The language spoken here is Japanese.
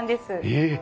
ええ！